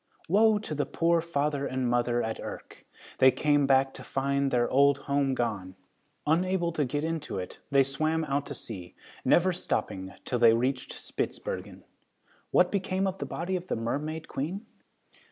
Woe to the poor father and mother at Urk! They came back to find their old home gone. Unable to get into it, they swam out to sea, never stopping till they reached Spitzbergen. What became of the body of the Mermaid Queen?